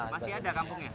masih ada kampungnya